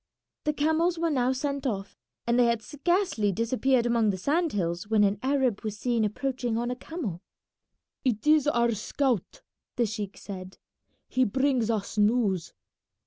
The camels were now sent off, and they had scarcely disappeared among the sand hills when an Arab was seen approaching on a camel. "It is our scout," the sheik said; "he brings us news."